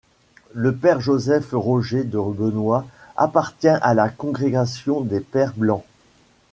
Le père Joseph-Roger de Benoist appartient à la congrégation des Pères blancs.